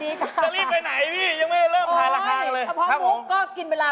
รุกครี่พี่ได้มีหน้าเยอรมันออกมานะ